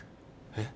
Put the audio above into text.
えっ？